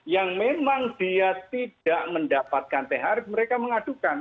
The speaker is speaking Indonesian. yang memang dia tidak mendapatkan thr mereka mengadukan